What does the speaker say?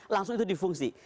langsung itu difungsi